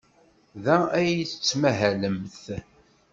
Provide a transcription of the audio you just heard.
Da ay tettmahalemt?